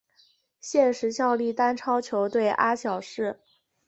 现时效力丹超球队阿晓士。